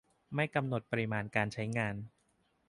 ไม่กำหนดปริมาณการใช้งาน